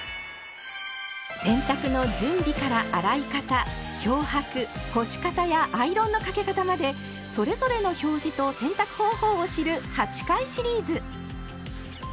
洗濯の準備から洗い方漂白干し方やアイロンのかけ方までそれぞれの表示と洗濯方法を知る８回シリーズ。